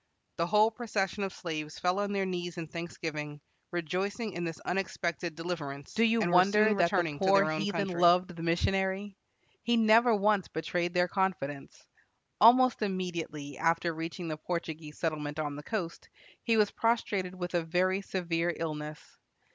The whole procession of slaves fell on their knees in thanksgiving, rejoicing in this unexpected deliverance, and were soon returning to their own country. Do you wonder that the poor heathen loved the missionary? He never once betrayed their confidence. Almost immediately after reaching the Portuguese settlement on the coast, he was prostrated with a very severe illness.